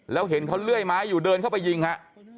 แล้วเห็นเขาเลื่อยไม้อยู่เดินเข้าไปยิงฮะ